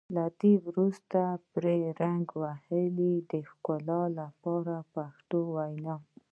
له دې وروسته پرې رنګ ووهئ د ښکلا لپاره په پښتو وینا.